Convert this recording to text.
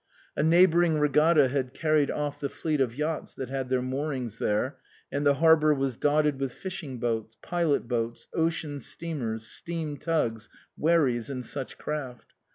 A neighbouring regatta had carried off the fleet of yachts that had their moorings there, and the harbour was dotted with fishing boats, pilot boats, ocean steamers, steam tugs, wherries, and such craft.